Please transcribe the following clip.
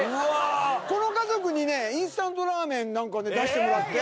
この家族にインスタントラーメンなんか出してもらって。